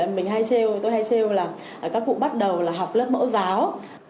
mình hay trêu tôi hay trêu là các cụ bắt đầu là học lớp mẫu giáo